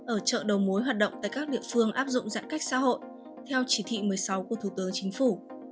ở chợ đầu mối hoạt động tại các địa phương áp dụng giãn cách xã hội theo chỉ thị một mươi sáu của thủ tướng chính phủ